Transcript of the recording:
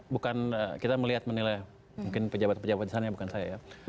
bukan kita melihat menilai mungkin pejabat pejabat di sana bukan saya ya